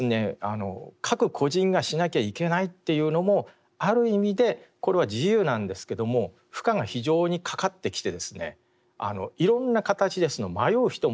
各個人がしなきゃいけないっていうのもある意味でこれは自由なんですけども負荷が非常にかかってきてですねいろんな形で迷う人も出てくる。